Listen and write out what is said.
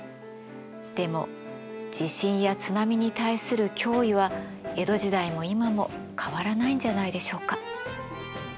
でも地震や津波に対する脅威は江戸時代も今も変わらないんじゃないでしょうか。